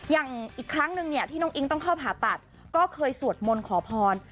อย่างอีกครั้งนึงเนี่ยที่น้องอิ๊งต้องเข้าผ่าตัดก็เคยสวดมนต์ขอพร